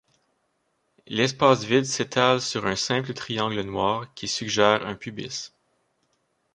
L’espace vide s’étale sur un simple triangle noir qui suggère un pubis.